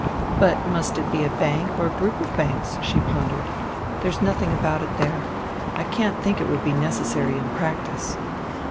"But must it be a bank or group of banks?" she pondered. "There's nothing about it there; I can't think it would be necessary in practice."